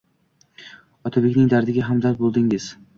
Otabekning dardiga hamdard bo‘ldingiz.